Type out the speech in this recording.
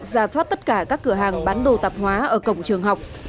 giả soát tất cả các cửa hàng bán đồ tạp hóa ở cổng trường học